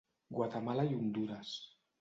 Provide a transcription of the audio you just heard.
Guatemala i Hondures.